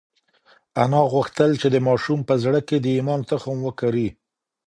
انا غوښتل چې د ماشوم په زړه کې د ایمان تخم وکري.